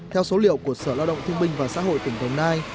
theo số liệu của sở lao động thương binh và xã hội tỉnh đồng nai